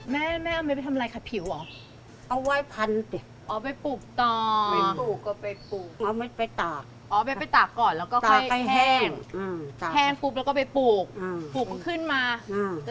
แม่เอาไว้ไปทำอะไรค่ะผิวเหรอ